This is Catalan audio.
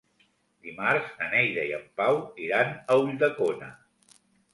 Dimarts na Neida i en Pau iran a Ulldecona.